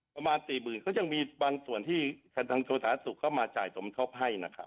ประมาณ๔๐๐๐๐ก็ยังมีบางส่วนที่ทางโทษศาสตร์ศุกร์ก็มาจ่ายสมทบให้นะครับ